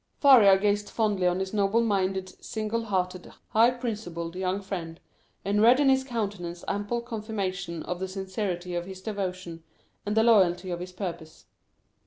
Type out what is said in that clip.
Faria gazed fondly on his noble minded, single hearted, high principled young friend, and read in his countenance ample confirmation of the sincerity of his devotion and the loyalty of his purpose.